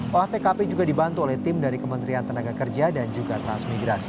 olah tkp juga dibantu oleh tim dari kementerian tenaga kerja dan juga transmigrasi